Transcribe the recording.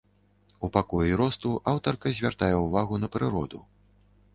У пакоі росту аўтарка звяртае ўвагу на прыроду.